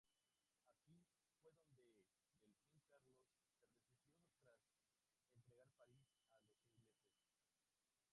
Aquí fue donde el delfín Carlos se refugió tras entregar París a los ingleses.